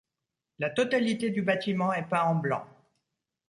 La totalité du bâtiment est peint en blanc.